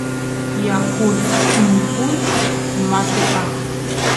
yakut timpuy matepaq